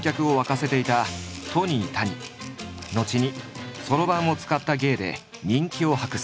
後にそろばんを使った芸で人気を博す。